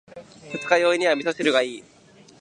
二日酔いには味噌汁がいい。